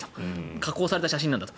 加工された写真なんだと。